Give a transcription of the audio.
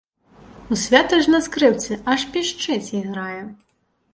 У свята ж на скрыпцы, аж пішчыць, іграе.